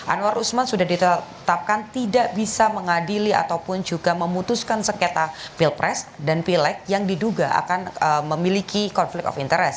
anwar usman sudah ditetapkan tidak bisa mengadili ataupun juga memutuskan sengketa pilpres dan pileg yang diduga akan memiliki konflik of interest